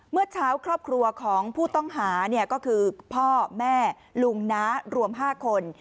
เมื่อเช้าครอบครัวของผู้ต้องหาก็คือพ่อแม่ลุงน้ารวม๕คน